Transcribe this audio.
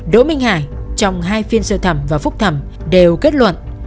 đỗ minh hải trong hai phiên sơ thẩm và phúc thẩm đều kết luận